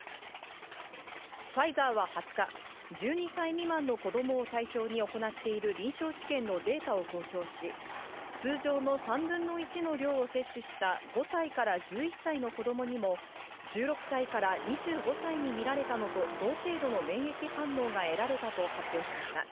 ファイザーは２０日、１２歳未満の子供を対象に行っている臨床試験のデータを公表し、通常の３分の１の量を接種した５歳から１１歳の子供にも１６歳から２５歳に見られたのと同程度の免疫反応が得られたと発表しました。